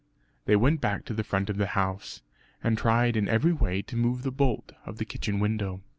They went back to the front of the house, and tried in every way to move the bolt of the kitchen window.